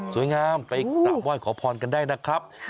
สวยงามไปกราบไหว้ขอพรกันได้นะครับ